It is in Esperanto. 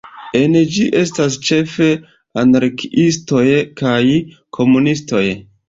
En ĝi estas ĉefe anarkiistoj kaj komunistoj.